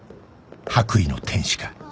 白衣の天使か？